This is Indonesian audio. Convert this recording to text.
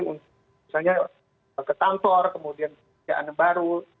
misalnya ke kantor kemudian ke pekerjaan baru